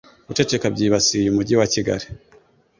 Guceceka byibasiye umujyi wa kigali